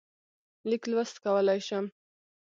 لیک لوست کولای شم.